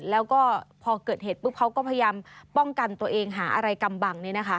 แล้วก็พอเกิดเหตุปุ๊บเขาก็พยายามป้องกันตัวเองหาอะไรกำบัง